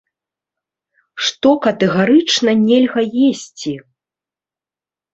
Што катэгарычна нельга есці?